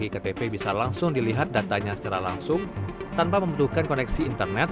iktp bisa langsung dilihat datanya secara langsung tanpa membutuhkan koneksi internet